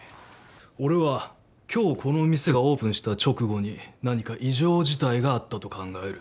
俺は今日この店がオープンした直後に何か異常事態があったと考える。